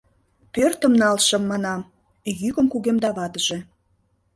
Пӧртым налшым, манам, — йӱкым кугемда ватыже.